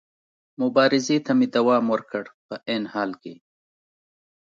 مبارزې ته مې دوام ورکړ، په عین حال کې.